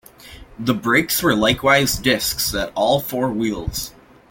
The brakes were likewise disks at all four wheels.